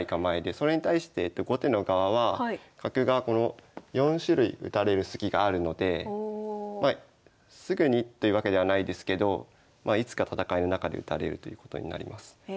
それに対して後手の側は角がこの４種類打たれるスキがあるのですぐにというわけではないですけどいつか戦いの中で打たれるということになります。